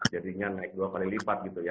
jadinya naik dua kali lipat gitu ya